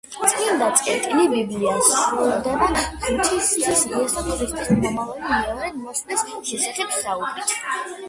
წმინდა წერილი, ბიბლია სრულდება ღვთის ძის, იესო ქრისტეს მომავალი, მეორედ მოსვლის შესახებ საუბრით.